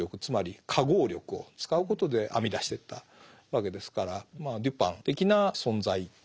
つまり化合力を使うことで編み出してったわけですからまあデュパン的な存在